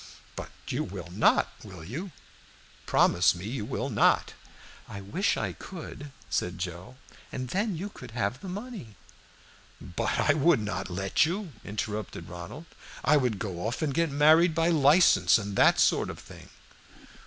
"But you will not, will you? Promise me you will not." "I wish I could," said Joe, "and then you could have the money" "But I would not let you," interrupted Ronald. "I would go off and get married by license, and that sort of thing."